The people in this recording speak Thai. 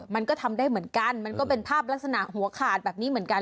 มันก็ทำได้เหมือนกันมันก็เป็นภาพลักษณะหัวขาดแบบนี้เหมือนกัน